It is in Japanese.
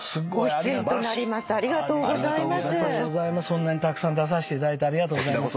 そんなにたくさん出させていただいてありがとうございます。